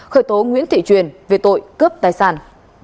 khởi tố nguyễn thị truyền về tội cướp tài sản